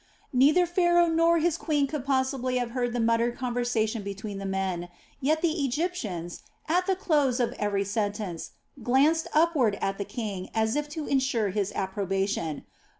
Neither Pharaoh nor his queen could possibly have heard the muttered conversation between the men; yet the Egyptians, at the close of every sentence, glanced upward at the king as if to ensure his approbation.